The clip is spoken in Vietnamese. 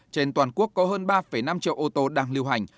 trên toàn quốc có hơn ba năm triệu ô tô đang lưu hành